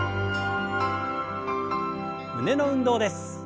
胸の運動です。